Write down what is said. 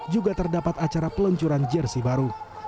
juga terdapat acara peluncuran jersi baru